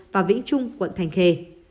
và vĩnh trung quận thành khề